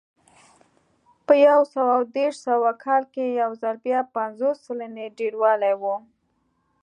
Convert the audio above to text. په یو سوه دېرش سوه کال کې یو ځل بیا پنځوس سلنې ډېروالی و